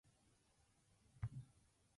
離陸します